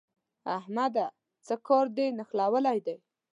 احمده! څه کار دې نښلولی دی؟